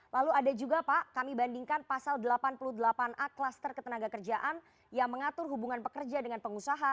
lalu ada juga pak kami bandingkan pasal delapan puluh delapan a klaster ketenaga kerjaan yang mengatur hubungan pekerja dengan pengusaha